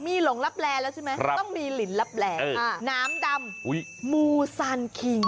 มีหลงลับแรลแล้วใช่ไหมต้องมีหลินลับแรนเอออ่าน้ำดำอุ๊ย